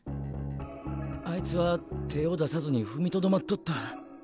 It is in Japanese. あいつは手ぇを出さずに踏みとどまっとった。